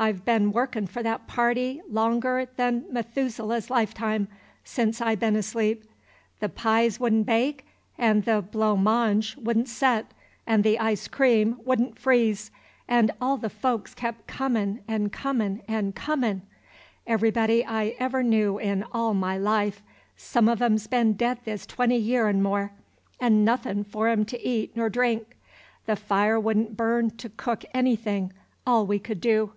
I've been workin' for that party longer 'n Methuselah's lifetime, sence I been asleep. The pies would n' bake, and the blo'monje would n' set, and the ice cream would n' freeze, and all the folks kep' comin' 'n' comin' 'n' comin', everybody I ever knew in all my life, some of 'em 's been dead this twenty year 'n' more, 'n' nothin' for 'em to eat nor drink. The fire would n' burn to cook anything, all we could do.